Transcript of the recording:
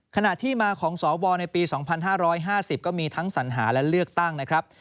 ขณะที่มาของสวในปี๒๕๕๐ก็มีทั้งสัญหาและเลือกตั้งนะครับ